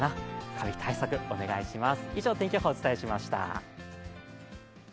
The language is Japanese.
カビ対策、お願いします。